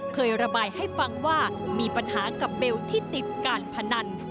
เคยระบายให้ฟังว่ามีปัญหากับเบลที่ติดการพนัน